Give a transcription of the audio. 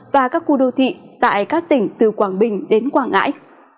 và các khu đô thị tại các tỉnh từ quảng bình đến quảng ngãi